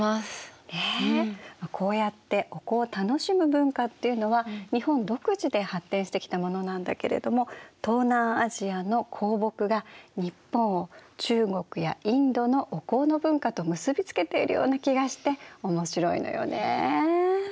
ねえこうやってお香を楽しむ文化っていうのは日本独自で発展してきたものなんだけれども東南アジアの香木が日本を中国やインドのお香の文化と結び付けているような気がして面白いのよね。